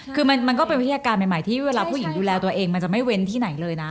คือมันก็เป็นวิทยาการใหม่ที่เวลาผู้หญิงดูแลตัวเองมันจะไม่เว้นที่ไหนเลยนะ